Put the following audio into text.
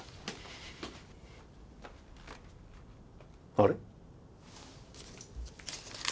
あれ？